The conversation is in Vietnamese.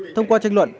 thông qua tranh luận